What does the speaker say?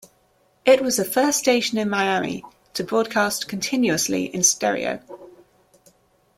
It was the first station in Miami to broadcast continuously in stereo.